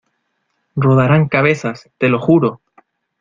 Rodarán cabezas, ¡te lo juro!